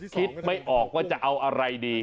คิดไม่ออกว่าจะเอาอะไรดี